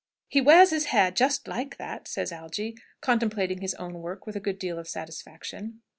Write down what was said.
"He wears his hair just like that!" says Algy, contemplating his own work with a good deal of satisfaction.